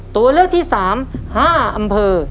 ตัวเลือกที่๓๕อำเภอ